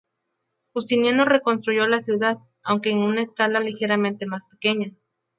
Justiniano reconstruyó la ciudad, aunque en una escala ligeramente más pequeña.